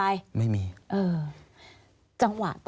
อันดับ๖๓๕จัดใช้วิจิตร